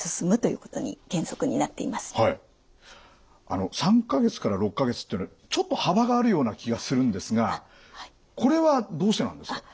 あの３か月から６か月っていうのはちょっと幅があるような気がするんですがこれはどうしてなんですか？